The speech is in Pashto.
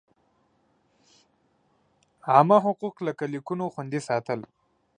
عامه حقوق لکه لیکونو خوندي ساتل.